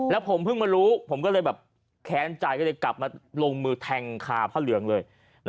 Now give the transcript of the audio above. แล้วผมเพิ่งมารู้ผมแขนจ่ายกลับมาลงมือแทงฆาพเธอเรืองเลย